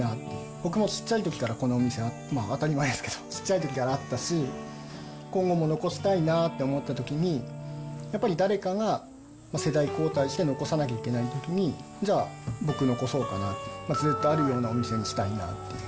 僕も小っちゃいときからこの店は、当たり前ですけれども、小っちゃいときからあったし、今後も残したいなと思ったときに、やっぱり誰かが世代交代して残さなきゃいけないときに、じゃあ、僕残そうかなって、ずっとあるようなお店にしたいなっていう。